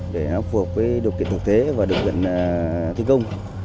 để phù hợp với điều kiện thực tế và điều kiện thi công